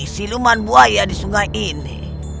siluman buaya di sungai ini